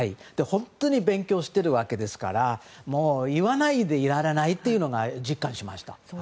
本当に勉強しているわけですから言わないでいられないのを実感しました。